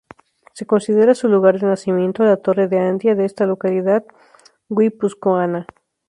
Se considera su lugar de nacimiento la Torre de Andía de esta localidad guipuzcoana.